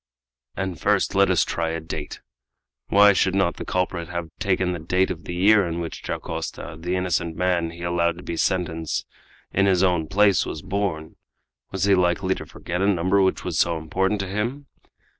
"And first let us try a date! Why should not the culprit have taken the date of the year in which Dacosta, the innocent man he allowed to be sentenced in his own place, was born? Was he likely to forget a number which was so important to him?